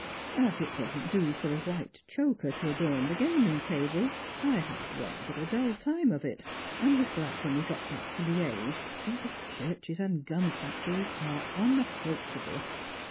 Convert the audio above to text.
As it doesn't do for a white choker to adorn the gaming table, I had rather a dull time of it, and was glad when we got back to Liege, where the churches and gun factories are unapproach able.